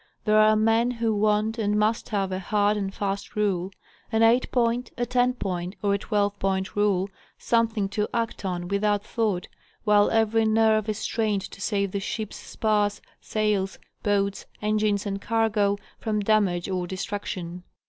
There are men who want and must have a hard and fast rule,—an 8 point, a 10 point, or a 12 point rule—something to act on without thought, while every nerve is strained to. save the ship's spars, sails, boats, engines, and cargo, from damage or destruction.